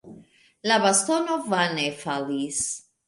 La bastono vane falis.